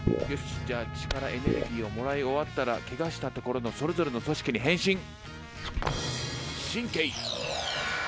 よしじゃあ血からエネルギーをもらい終わったらけがしたところのそれぞれの組織に変身。